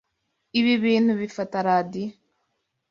Ibi bintu bifata radio.